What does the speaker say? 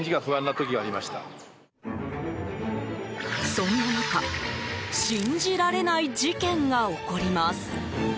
そんな中、信じられない事件が起こります。